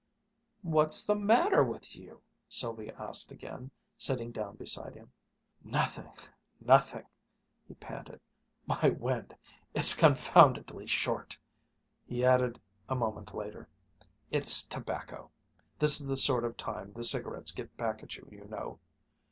"What's the matter with you?" Sylvia asked again, sitting down beside him. "Nothing! Nothing!" he panted. "My wind! It's confoundedly short." He added a moment later, "It's tobacco this is the sort of time the cigarettes get back at you, you know!"